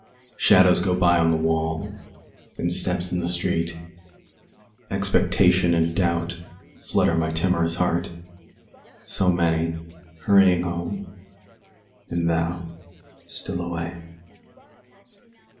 Shadows go by on the wall, And steps in the street. Expectation and doubt 5 Flutter my timorous heart. So many hurrying home— And thou still away.